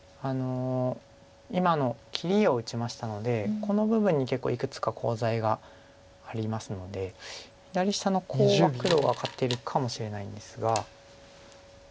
今の切りを打ちましたのでこの部分に結構いくつかコウ材がありますので左下のコウは黒が勝てるかもしれないんですが。